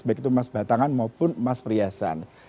baik itu emas batangan maupun emas perhiasan